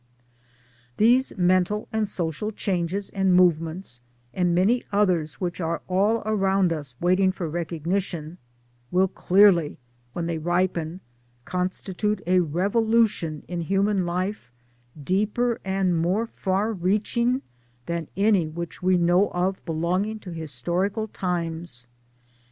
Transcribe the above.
These mental and social changes and movements and many others which are all around 1 us waiting for recognition, will clearly, when they ripen, con stitute a revolution in human life deeper and more far reaching than any which we know of belonging to historical times.